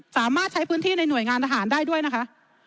สามารถใช้พื้นที่ในหน่วยงานทหารได้ด้วยนะคะ